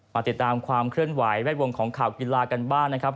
ติดตามความเคลื่อนไหวแวดวงของข่าวกีฬากันบ้างนะครับ